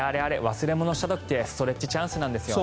忘れ物した時ってストレッチチャンスなんです。